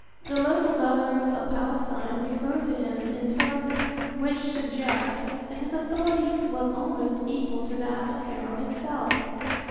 The local governors of Palestine refer to him in terms which suggest that his authority was almost equal to that of Pharaoh himself.